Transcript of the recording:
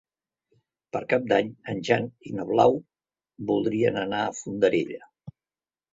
Per Cap d'Any en Jan i na Blau voldrien anar a Fondarella.